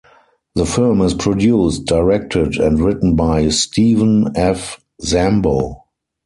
The film is produced, directed, and written by "Steven F. Zambo".